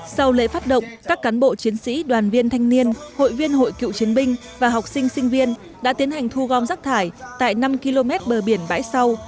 sau lễ phát động các cán bộ chiến sĩ đoàn viên thanh niên hội viên hội cựu chiến binh và học sinh sinh viên đã tiến hành thu gom rác thải tại năm km bờ biển bãi sau